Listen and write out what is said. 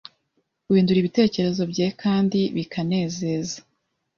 guhindura ibitekerezo byekandi bikanezeza